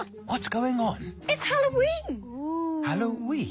う！ハロウィーン？